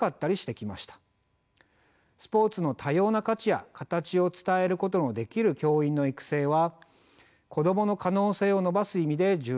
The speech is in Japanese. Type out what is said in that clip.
スポーツの多様な価値や形を伝えることのできる教員の育成は子供の可能性を伸ばす意味で重要です。